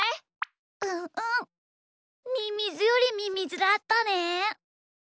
うんうんミミズよりミミズだったね。